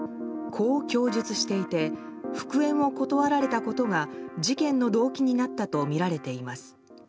こう供述していて復縁を断られたことが事件の動機になったとみられています。